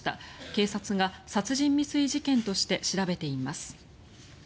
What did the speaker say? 警察が殺人未遂事件として調べています。